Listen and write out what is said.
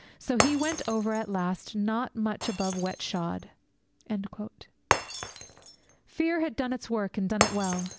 So he went over at last, not much above wet shod.' Fear had done its work, and done it well.